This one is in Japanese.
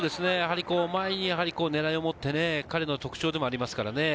前に狙いを持って、彼の特徴でもありますからね。